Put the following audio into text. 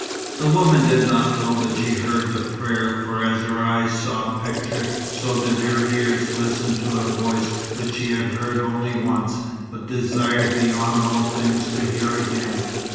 The woman did not know that she heard the prayer, for as her eyes saw a picture, so did her ears listen to a voice which she had heard only once, but desired beyond all things to hear again.